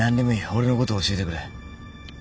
俺のこと教えてくれ。